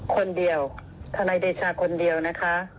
คนเดียวทนายเดชาคนเดียวนะคะ